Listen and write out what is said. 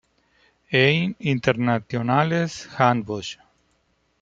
Ein internationales Handbuch".